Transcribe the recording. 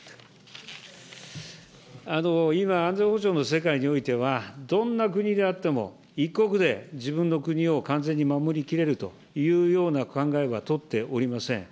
今、安全保障の世界においては、どんな国であっても、１国で自分の国を完全に守りきれるというような考えは取っておりません。